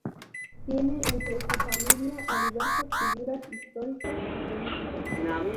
Tiene entre su familia a diversas figuras históricas y políticos.